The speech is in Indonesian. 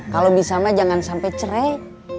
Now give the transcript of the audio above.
kalau bisa mah jangan sampai cerai